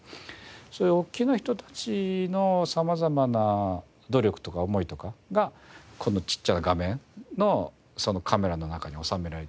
そういう大きな人たちの様々な努力とか思いとかがこのちっちゃな画面のそのカメラの中に収められているわけで。